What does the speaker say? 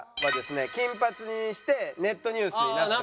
金髪にしてネットニュースに。ああなってた。